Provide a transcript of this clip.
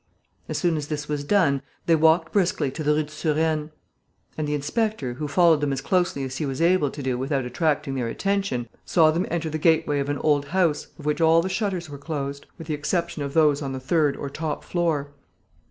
As soon as this was done, they walked briskly to the Rue de Surène; and the inspector, who followed them as closely as he was able to do without attracting their attention, saw them enter the gateway of an old house of which all the shutters were closed, with the exception of those on the third or top floor.